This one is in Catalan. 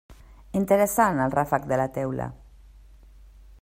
Interessant el ràfec de la teula.